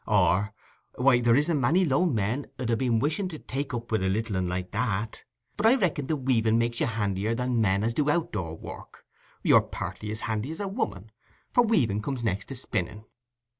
—or, "Why, there isn't many lone men 'ud ha' been wishing to take up with a little un like that: but I reckon the weaving makes you handier than men as do out door work—you're partly as handy as a woman, for weaving comes next to spinning."